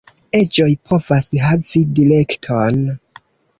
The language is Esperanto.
Eĝoj povas havi direkton.